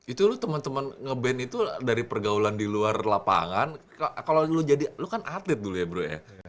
itu lu temen temen ngeband itu dari pergaulan di luar lapangan kalo lu jadi lu kan atlet dulu ya bro ya